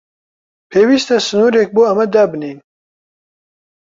پێویستە سنوورێک بۆ ئەمە دابنێین.